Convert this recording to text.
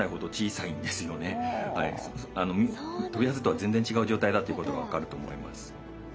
トビハゼとは全然違う状態だということが分かると思います。